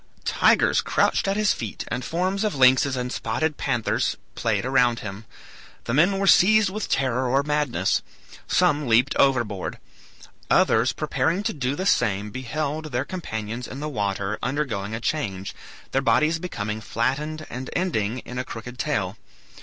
Tigers crouched at his feet, and forms of lynxes and spotted panthers played around him. The men were seized with terror or madness; some leaped overboard; others preparing to do the same beheld their companions in the water undergoing a change, their bodies becoming flattened and ending in a crooked tail.